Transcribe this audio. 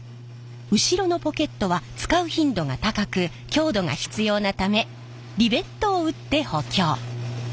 後ろのポケットは使う頻度が高く強度が必要なためリベットを打って補強。